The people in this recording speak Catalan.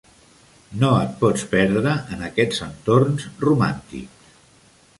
No et pots perdre en aquests entorns romàntics.